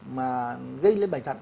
mà gây lên bệnh thận